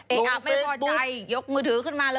เอ๊ะอับไม่พอใจยกมือถือขึ้นมาเลย